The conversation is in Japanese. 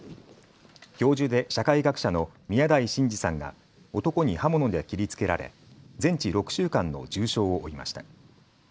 教授で社会学者の宮台真司さんが男に刃物で切りつけられ全治６週間の重傷を負いました。